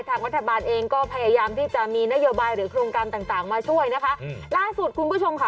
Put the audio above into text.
ทางรัฐบาลเองก็พยายามที่จะมีนโยบายหรือโครงการต่างต่างมาช่วยนะคะล่าสุดคุณผู้ชมค่ะ